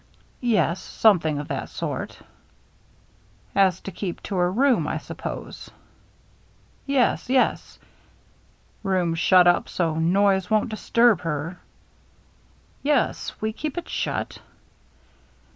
" Yes, something of that sort." " Has to keep her room, I suppose ?"« Yes, yes." " Room shut up so noise won't disturb her?" "Yes, we keep it shut."